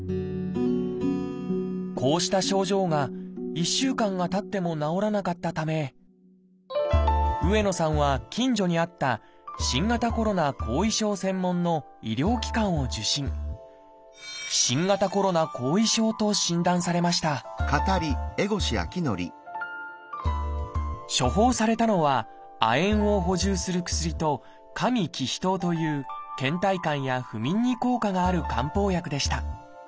こうした症状が１週間がたっても治らなかったため上野さんは近所にあった新型コロナ後遺症専門の医療機関を受診と診断されました処方されたのは亜鉛を補充する薬と「加味帰脾湯」というけん怠感や不眠に効果がある漢方薬でした。